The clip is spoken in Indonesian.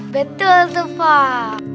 betul tuh pak